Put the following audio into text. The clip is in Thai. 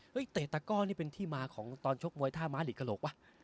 เตะตะก้อนี่เป็นที่มาของตอนชกมวยท่าม้าหลีกกระโหลกวะ